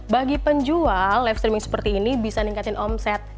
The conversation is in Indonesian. bagi penjual live streaming seperti ini bisa ningkatin omset